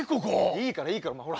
いいからいいからお前ほら。